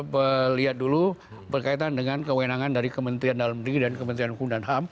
melihat dulu berkaitan dengan kewenangan dari kementerian dalam negeri dan kementerian hukum dan ham